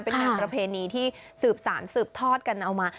เป็นงานประเพณีที่สืบสารสืบทอดกันเอามา